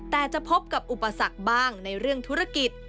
แต่จะพบกับอุปสรรคบ้างในเรื่องธุรกิจ